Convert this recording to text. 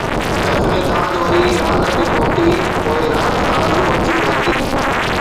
محفل داد وري راڳ تي پهتي، پوءِ رات آرزو اچي پهتي